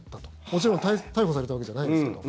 もちろん逮捕されたわけじゃないですけど。